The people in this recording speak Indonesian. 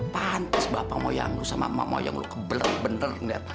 pantes bapak moyang lu sama emak moyang lu kebelet belet liat